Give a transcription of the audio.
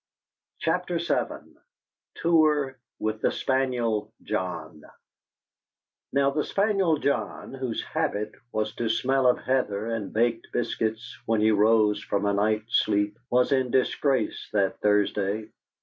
CHAPTER VII TOUR WITH THE SPANIEL JOHN Now the spaniel John whose habit was to smell of heather and baked biscuits when he rose from a night's sleep was in disgrace that Thursday.